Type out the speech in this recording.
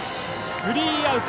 スリーアウト。